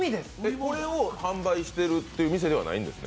これを販売してるっていう店ではないんですね？